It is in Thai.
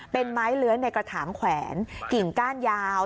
เป็นไม้เลื้อยในกระถางแขวนกิ่งก้านยาว